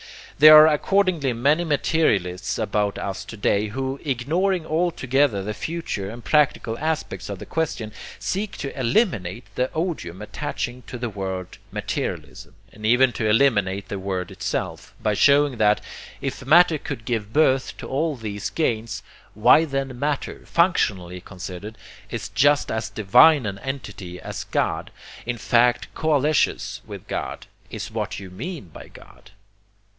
There are accordingly many materialists about us to day who, ignoring altogether the future and practical aspects of the question, seek to eliminate the odium attaching to the word materialism, and even to eliminate the word itself, by showing that, if matter could give birth to all these gains, why then matter, functionally considered, is just as divine an entity as God, in fact coalesces with God, is what you mean by God.